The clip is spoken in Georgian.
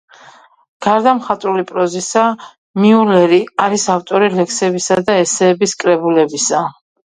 გარდა მხატვრული პროზისა, მიულერი არის ავტორი ლექსებისა და ესეების კრებულებისა.